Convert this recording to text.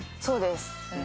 そうです。